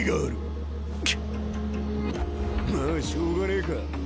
まあしょうがねえか。